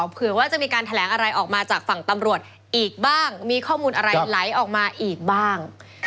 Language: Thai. เผื่อว่าจะมีการแถลงอะไรออกมาจากฝั่งตำรวจอีกบ้างมีข้อมูลอะไรไหลออกมาอีกบ้าง